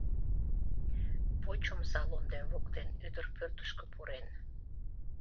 Воч омса лондем воктен!» Ӱдыр пӧртышкӧ пурен.